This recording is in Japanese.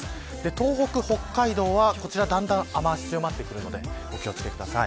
東北北海道はだんだん雨脚が強まってくるのでお気を付けください。